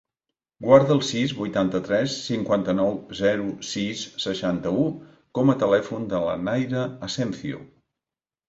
Guarda el sis, vuitanta-tres, cinquanta-nou, zero, sis, seixanta-u com a telèfon de la Nayra Asencio.